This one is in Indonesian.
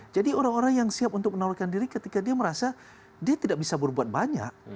jadi orang orang yang siap untuk menawarkan diri ketika dia merasa dia tidak bisa berbuat banyak